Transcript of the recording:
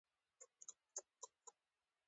ګیلاس د انا له صندوق سره وي.